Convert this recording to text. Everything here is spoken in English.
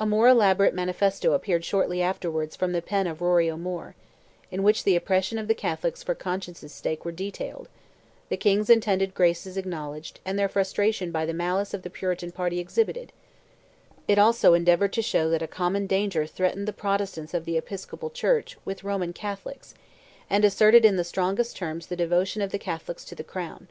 A more elaborate manifesto appeared shortly afterwards from the pen of Rory O'Moore, in which the oppressions of the Catholics for conscience' sake were detailed, the King's intended "graces" acknowledged, and their frustration by the malice of the Puritan party exhibited: it also endeavoured to show that a common danger threatened the Protestants of the Episcopal Church with Roman Catholics, and asserted in the strongest terms the devotion of the Catholics to the Crown.